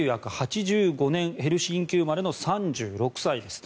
１９８５年、ヘルシンキ生まれの３６歳です。